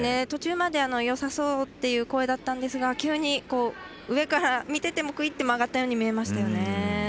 途中まで、よさそうっていう声だったんですが急に上から見ててもくいっと曲がったように見えましたね。